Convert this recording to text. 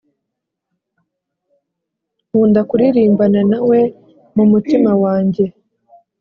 nkunda kuririmbana nawe mumutima wanjye